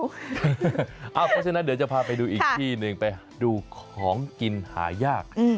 เพราะฉะนั้นเดี๋ยวจะพาไปดูอีกที่หนึ่งไปดูของกินหายาก